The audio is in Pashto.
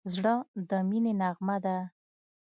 زړه د مینې نغمه ده.